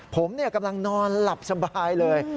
ผมกำลังนอนหลับสบายเลย